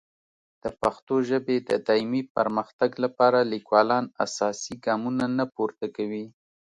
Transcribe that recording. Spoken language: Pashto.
د پښتو ژبې د دایمي پرمختګ لپاره لیکوالان اساسي ګامونه نه پورته کوي.